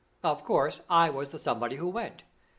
Of course, I was the somebody who went.